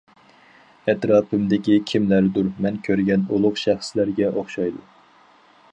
ئەتراپىمدىكى كىملەردۇر مەن كۆرگەن ئۇلۇغ شەخسلەرگە ئوخشايدۇ.